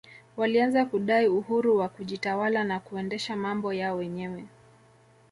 walianza kudai uhuru wa kujitawala na kuendesha mambo yao wenyewe